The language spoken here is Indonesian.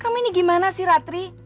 kamu ini gimana sih ratri